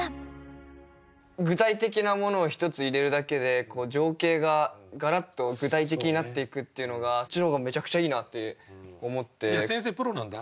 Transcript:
具体的なものを１つ入れるだけでこう情景がガラッと具体的になっていくっていうのがそっちの方がめちゃくちゃいいなって思って。